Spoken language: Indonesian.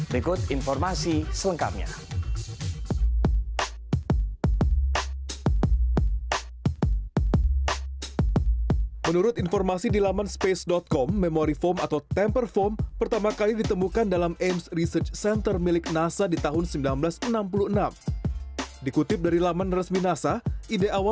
berikut informasi selengkapnya